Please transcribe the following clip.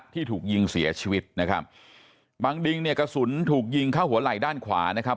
ที่ถูกยิงเสียชีวิตนะครับบังดิงเนี่ยกระสุนถูกยิงเข้าหัวไหล่ด้านขวานะครับ